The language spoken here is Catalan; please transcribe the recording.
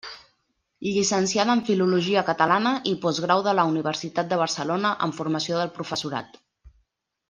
Llicenciada en Filologia catalana i Postgrau de la Universitat de Barcelona en Formació del professorat.